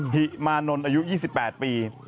หิมานนท์อายุ๒๘ปี